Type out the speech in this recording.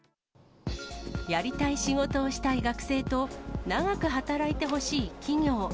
やりたい仕事をしたい学生と、長く働いてほしい企業。